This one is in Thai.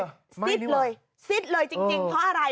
ซิดเลยซิดเลยจริงเพราะอะไร